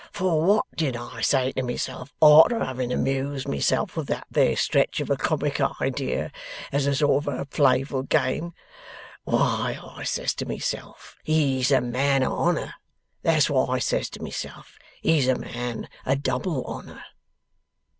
'For what did I say to myself arter having amused myself with that there stretch of a comic idea, as a sort of a playful game? Why, I says to myself; "He's a man o' honour." That's what I says to myself. "He's a man o' double honour."